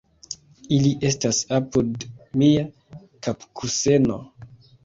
Ili estas apud mia kapkuseno.